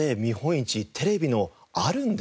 市テレビのあるんですね。